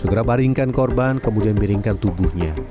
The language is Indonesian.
segera baringkan korban kemudian miringkan tubuhnya